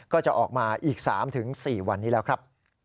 ก็จะออกมาอีก๓๔วันนี้แล้วครับ